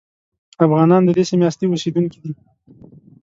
افغانان د دې سیمې اصلي اوسېدونکي دي.